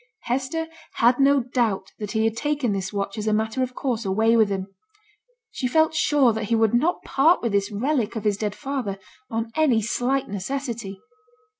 Hester had no doubt that he had taken this watch as a matter of course away with him. She felt sure that he would not part with this relic of his dead father on any slight necessity.